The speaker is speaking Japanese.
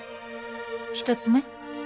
１つ目？